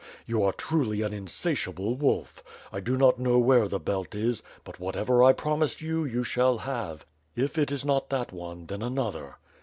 You are truly an insatiable wolf. I do not know where the belt is, but whatever I promised you, you shall have. If it is not that one, then another."